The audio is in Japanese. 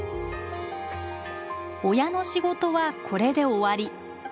親の仕事はこれで終わり。